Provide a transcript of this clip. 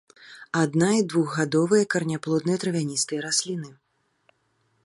Адна- і двухгадовыя караняплодныя травяністыя расліны.